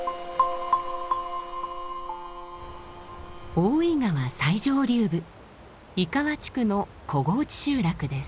大井川最上流部井川地区の小河内集落です。